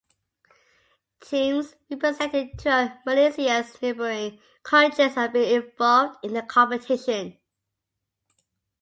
Teams representing two of Malaysia's neighbouring countries have been involved in the competition.